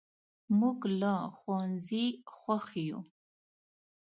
موږ له ښوونځي خوښ یو.